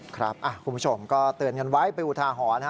คุณผู้ชมก็เตือนกันไว้เป็นอุทาหรณ์